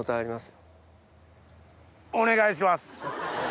お願いします！